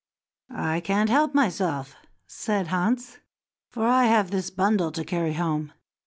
"I can't help myself," said Hans, "for I have this bundle to carry home.